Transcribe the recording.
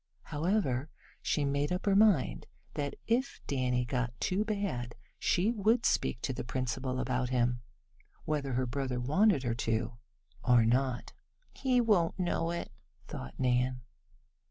However, she made up her mind that if Danny got too bad she would speak to the principal about him, whether her brother wanted her to or not. "He won't know it," thought Nan.